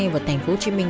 vào thành phố hồ chí minh